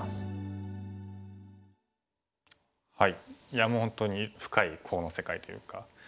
いやもう本当に深いコウの世界というか。